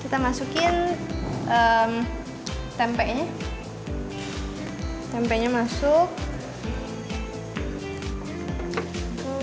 ini tempenya mau kita masak sampai air dari bawangnya masuk ke dalamnya